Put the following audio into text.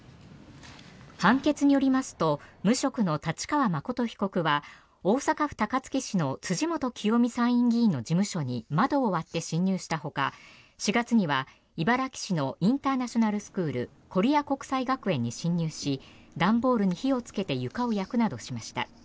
判決によりますと無職の太刀川誠容疑者は大阪府高槻市の辻元清美参院議員の事務所に窓を割って侵入したほか４月には茨木市のインターナショナルスクールコリア国際学園に侵入し段ボールに火をつけて床を焼くなどしました。